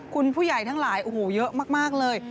คุณผู้ใหญ่ทั้งหลายโอ้โหเยอะมากเลย